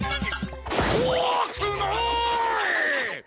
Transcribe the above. こわくない！